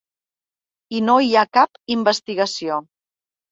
I no hi ha cap investigació.